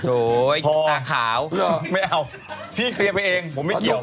ตาขาวไม่เอาพี่เคลียร์ไปเองผมไม่เกี่ยว